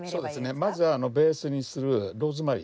まずベースにするローズマリー